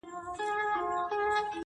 دا ټاپه دا درې ورځې